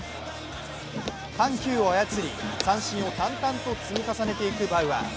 緩急を操り三振を淡々と積み重ねていくバウアー。